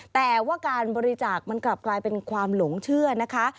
แต่ว่าการบริจาคมันกลับกลายเป็นความหลงเชื่อนะคะ